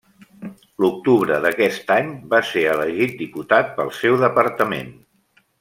L'octubre d'aquest any va ser elegit diputat pel seu departament.